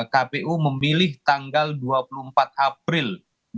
kpu memilih tanggal dua puluh empat april dua ribu dua puluh